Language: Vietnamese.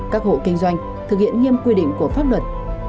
các hộ kinh doanh thực hiện nghiêm quy định của pháp luật